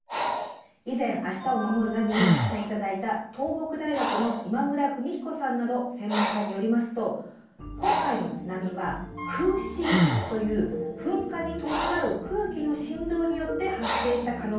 以前「明日をまもるナビ」に出演頂いた東北大学の今村文彦さんなど専門家によりますと今回の津波は空振という噴火に伴う空気の振動によって発生した可能性があると。